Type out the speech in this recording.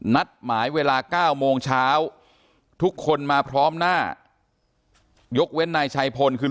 นัดหมายเวลา๙โมงเช้าทุกคนมาพร้อมหน้ายกเว้นนายชัยพลคือ